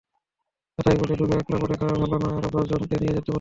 কথায় বলে, লোভে একলা পড়া ভালো না, আরও দশজনকে নিয়ে পড়তে হয়।